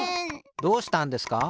どうしたんですか？